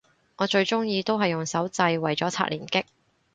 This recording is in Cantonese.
我最鍾意都係用手掣為咗刷連擊